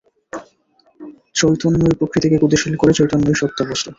চৈতন্যই প্রকৃতিকে গতিশীল করে, চৈতন্যই সত্য বস্তু।